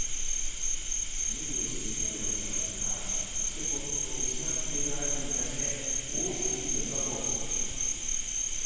無理をしているというお話もありましたが、そしてポイントを失っている相手に対して、大きくリード、丹羽孝希。